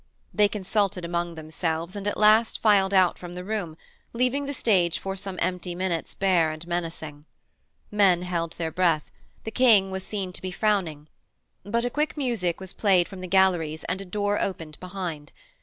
They consulted among themselves and at last filed out from the room, leaving the stage for some empty minutes bare and menacing. Men held their breath: the King was seen to be frowning. But a quick music was played from the galleries and a door opened behind.